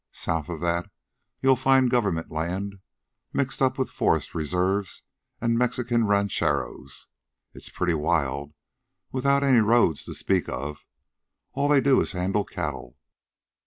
South of that you'll find government land mixed up with forest reserves and Mexican rancheros. It's pretty wild, without any roads to speak of. All they do is handle cattle.